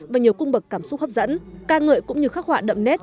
và nhiều cung bậc cảm xúc hấp dẫn ca ngợi cũng như khắc họa đậm nét